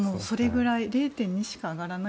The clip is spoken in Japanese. ０．２しか上がらない。